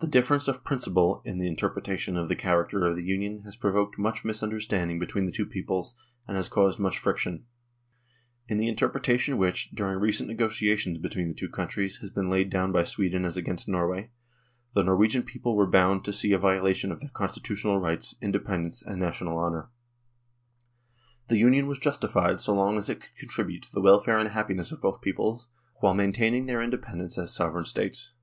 The difference of principle in the interpretation of the character of the Union has provoked much misunderstanding between the two peoples, and has caused much friction. In the inter pretation which, during recent negotiations between the two countries, has been laid down by Sweden as against Norway, the Norwegian people were bound to see a violation of their constitutional rights, inde pendence and national honour. I 114 NORWAY AND THE UNION WITH SWEDEN " The Union was justified so long as it could con tribute to the welfare and happiness of both peoples, while maintaining their independence as sovereign States.